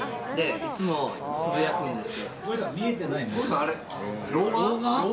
いつもつぶやくんですよ。